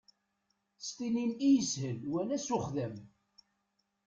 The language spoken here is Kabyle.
S tinin i yeshel wala s uxdam.